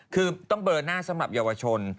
คือต้องเบอร์หน้าสำหรับเยาวชน